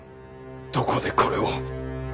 どこでこれを？